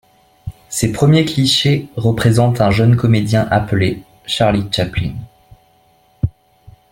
Ses premiers clichés représente un jeune comédien appelé Charlie Chaplin.